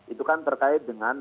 itu kan terkait dengan